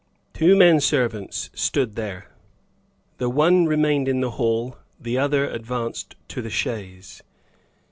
Two men servants stood there. The one remained in the hall, the other advanced to the chaise.